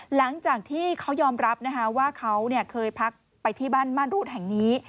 หลังจากที่เขายอมรับนะคะว่าเขาเคยพักไปที่บ้านม่านรูดแห่งนี้